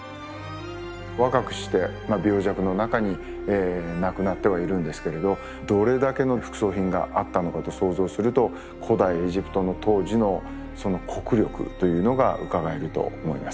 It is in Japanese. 若くして病弱の中に亡くなってはいるんですけれどどれだけの副葬品があったのかと想像すると古代エジプトの当時のその国力というのがうかがえると思います。